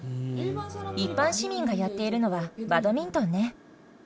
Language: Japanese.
一般市民がやっているのは、バドミントンね。